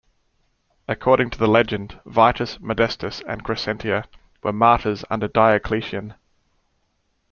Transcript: According to the legend, Vitus, Modestus and Crescentia were martyrs under Diocletian.